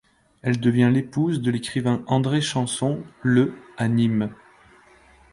Elle devient l'épouse de l'écrivain André Chamson, le à Nîmes.